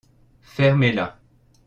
fermez-là.